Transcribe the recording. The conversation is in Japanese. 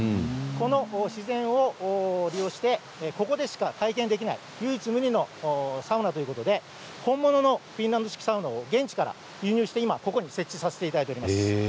この自然を利用してここでしか体験できない唯一無二のサウナということで本物のフィンランド式サウナを現地から輸入して設置しています。